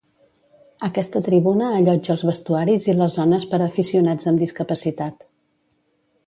Aquesta tribuna allotja els vestuaris i les zones per a aficionats amb discapacitat.